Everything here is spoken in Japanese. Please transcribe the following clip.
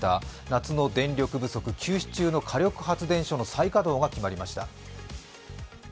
夏の電力不足、休止中の火力発電所の再稼働が決まりました。